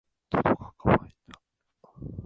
喉が渇いた。